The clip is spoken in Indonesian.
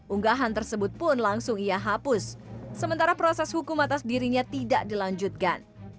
unggahan tersebut pun langsung ia hapus sementara proses hukum atas dirinya tidak dilanjutkan